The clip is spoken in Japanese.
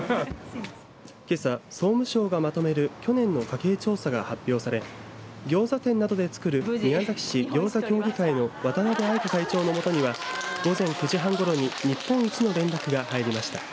けさ、総務省がまとめる去年の家計調査が発表されギョーザ店などでつくる宮崎市ぎょうざ協議会の渡辺愛香会長の元には午前９時半ごろに日本一の連絡が入りました。